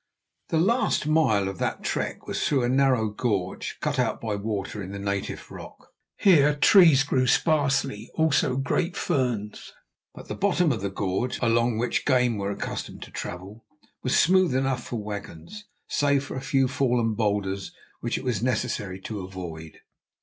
The last mile of that trek was through a narrow gorge cut out by water in the native rock. Here trees grew sparsely, also great ferns, but the bottom of the gorge, along which game were accustomed to travel, was smooth enough for wagons, save for a few fallen boulders, which it was necessary to avoid.